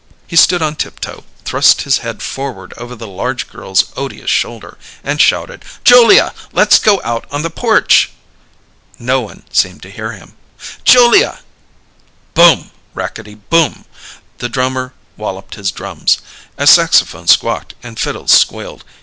He stood on tiptoe, thrust his head forward over the large girl's odious shoulder, and shouted: "Julia! Let's go out on the porch!" No one seemed to hear him. "Julia " Boom! Rackety Boom! The drummer walloped his drums; a saxophone squawked, and fiddles squealed.